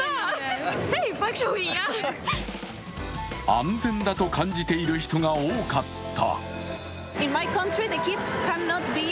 安全だと感じている人が多かった。